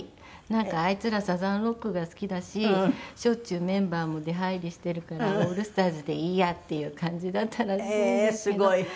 なんかあいつらサザン・ロックが好きだししょっちゅうメンバーも出入りしているからオールスターズでいいやっていう感じだったらしいんですけど。